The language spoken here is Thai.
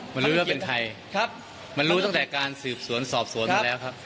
มันรู้ว่าเป็นใครครับมันรู้ตั้งแต่การสืบสวนสอบสวนมาแล้วครับ